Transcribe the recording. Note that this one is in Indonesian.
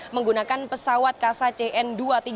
menggunakan pesawat ksa cn dua ratus tiga puluh lima